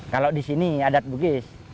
kalau di sini adat bugis